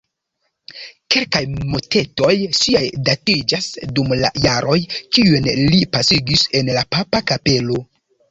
Kelkaj motetoj siaj datiĝas dum la jaroj, kiujn li pasigis en la papa kapelo.